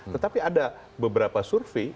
tetapi ada beberapa survei